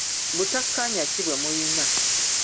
Butakkaanya ki bwe muyina?